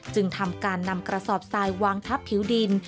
จึงทำการนำกระสอบทรายวางทับผิวดิน